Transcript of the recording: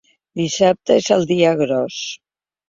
Dissabte és el dia gros.